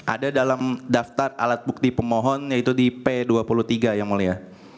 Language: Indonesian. ada dalam daftar alat bukti pemohon yaitu di p dua puluh tiga yang mulia